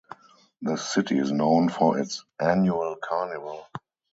The city is known for its annual carnival.